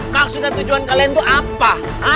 maksud dan tujuan kalian tuh apa